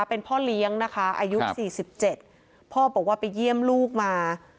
เป็นพ่อเลี้ยงนะคะอายุ๔๗พ่อบอกว่าไปเยี่ยมลูกมา